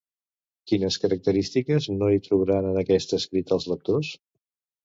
Quines característiques no hi trobaran en aquest escrit els lectors?